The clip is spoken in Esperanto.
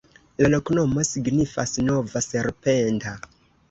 La loknomo signifas: nova-serpenta.